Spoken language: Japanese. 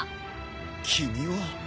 君は。